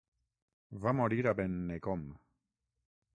Va morir a Bennekom.